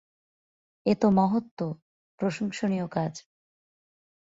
এ তো মহত্ত্ব, প্রশংসনীয় কাজ।